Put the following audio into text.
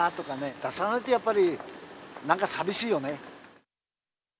出さないとやっぱり、なんか寂しいよね。